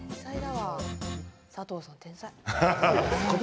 佐藤さん、天才。